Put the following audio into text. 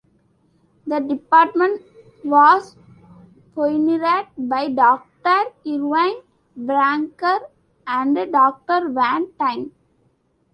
The department was pioneered by Doctor Irvine Brancker and Doctor Van Tyne.